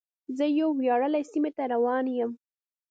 زه یوې ویاړلې سیمې ته روان یم.